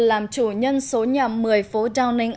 làm chủ nhân số nhà một mươi phố downing